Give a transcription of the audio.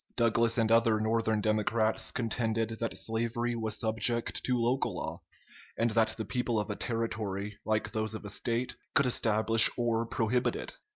Douglas and other Northern Democrats contended that slavery was subject to local law, and that the people of a Territory, like those of a State, could establish or prohibit it.